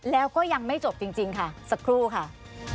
แล้วก็ยังไม่จบจริงค่ะสักครู่ค่ะ